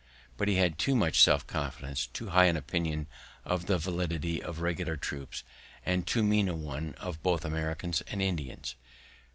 But he had too much self confidence, too high an opinion of the validity of regular troops, and too mean a one of both Americans and Indians.